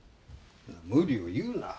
無理を言うな。